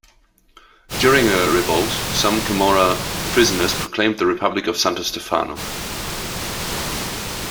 During a revolt, some Camorra prisoners proclaimed the Republic of Santo Stefano.